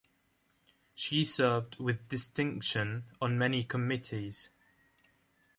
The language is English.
She served with distinction on many committees.